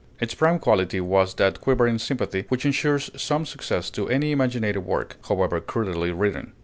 Its prime quality was that quivering sympathy which insures some success to any imaginative work, however crudely written.